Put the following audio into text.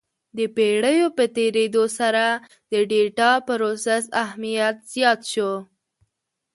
د پېړیو په تېرېدو سره د ډیټا پروسس اهمیت زیات شو.